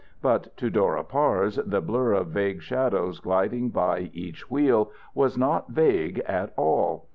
But to Dora Parse the blur of vague shadows gliding by each wheel was not vague at all.